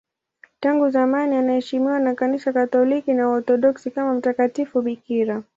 Tangu zamani anaheshimiwa na Kanisa Katoliki na Waorthodoksi kama mtakatifu bikira.